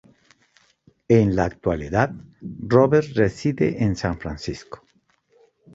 En la actualidad, Robert reside en San Francisco.